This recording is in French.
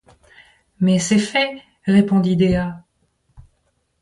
Mais c’est fait, répondit Dea.